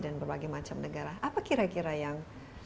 dan berbagai macam negara apa kira kira yang